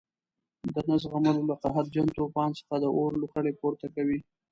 د نه زغملو له قهرجن توپان څخه د اور لوخړې پورته کوي.